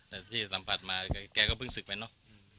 แต่ที่สัมผัสมาแกก็เพิ่งศึกไปเนอะ